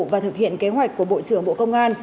và thực hiện kế hoạch của bộ trưởng bộ công an